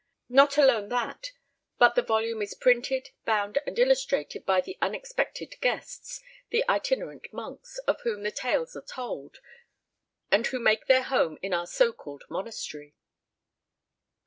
Not alone that, but the volume is printed, bound and illustrated by the unexpected guests the Itinerant Monks of whom the tales are told, and who make their home in our so called Monastery.